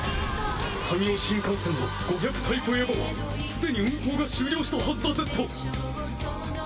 山陽新幹線の５００ＴＹＰＥＥＶＡはすでに運行が終了したはずだゼット！